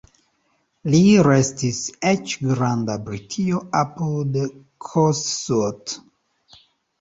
Li restis eĉ Grand-Britio apud Kossuth.